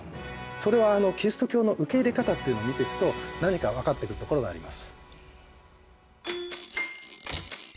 それはキリスト教の受け入れ方っていうのを見ていくと何か分かってくるところがあります。